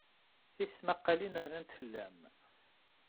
Tismaqqalin-a rnant fell-am.